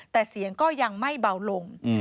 แต่เสียงก็ยังไม่เบาลง